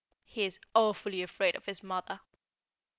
He is awfully afraid of his mother.